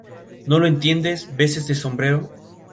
Lo consiguió.